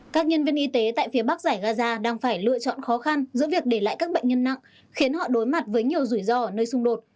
các nhân viên y tế tại phía bắc giải gaza đang phải lựa chọn khó khăn giữa việc để lại các bệnh nhân nặng khiến họ đối mặt với nhiều rủi ro ở nơi xung đột